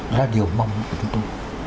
đó là điều mong các đồng chí